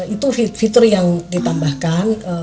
itu fitur yang ditambahkan